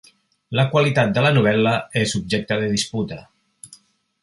La qualitat de la novel·la és objecte de disputa.